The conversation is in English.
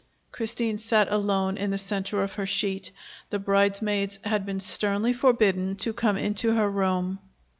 Christine sat alone in the center of her sheet. The bridesmaids had been sternly forbidden to come into her room.